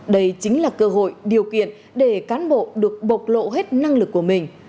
đây chính là cơ hội điều kiện để cán bộ được bộc lộ hết năng lực của mình